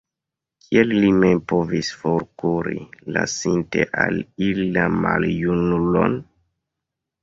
Kiel li mem povis forkuri, lasinte al ili la maljunulon?